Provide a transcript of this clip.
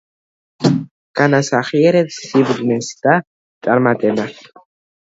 განასახიერებს სიბრძნეს და წარმატებას.